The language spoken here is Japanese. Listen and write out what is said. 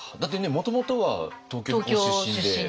もともとは東京ご出身で。